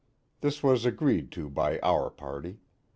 This was agreed to by our party.